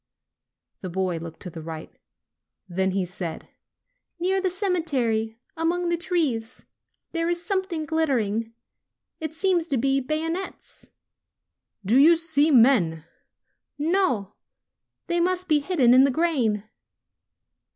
The boy looked to the right. Then he said : "Near the cemetery, among the trees, there is something glittering. It seems to be bayonets." "Do you see men?" "No. They must be hidden in the grain."